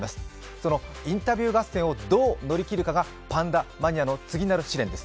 そのインタビュー合戦をどう乗り切るかがパンダマニアの次なる支援です。